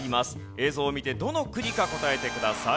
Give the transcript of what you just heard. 映像を見てどの国か答えてください。